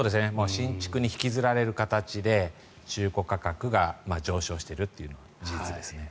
新築に引きずられる形で中古価格が上昇しているのは事実ですね。